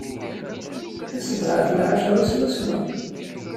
As-d ɣef lɛecṛa swaswa.